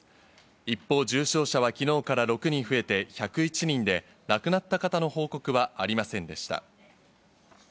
一方、重症者は昨日から６人増えて１０１人で亡くなった方の報告はありませんでした。